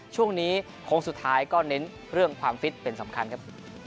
โค้งสุดท้ายก็เน้นเรื่องความฟิตเป็นสำคัญครับ